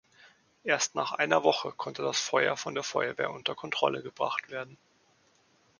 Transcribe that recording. Erst nach einer Woche konnte das Feuer von der Feuerwehr unter Kontrolle gebracht werden.